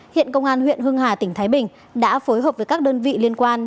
hiện công an huyện hưng hà tỉnh thái bình đã phối hợp với các đơn vị liên quan